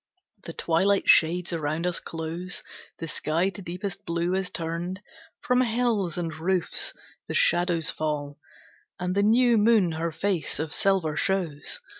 The twilight shades around us close, The sky to deepest blue is turned; From hills and roofs the shadows fall, And the new moon her face of silver shows.